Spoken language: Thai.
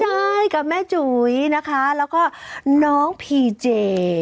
ได้กับแม่จุ๋ยนะคะแล้วก็น้องพีเจ